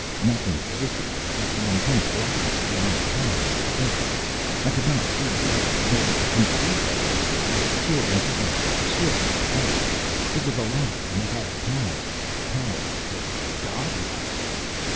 Nothing existed there but the intense blackness beyond time and space. I could not see the Other nor conceive of it. It was pure intelligence, stripped of flesh. It was alive and it had power power that was god like.